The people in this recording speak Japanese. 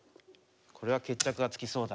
これは決着がつきそうだ。